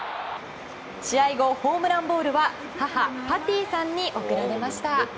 試合後、ホームランボールは母パティさんに贈られました。